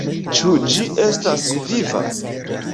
Ĉu ĝi estas viva?